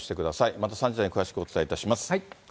また３時台に詳しくお伝えいたします。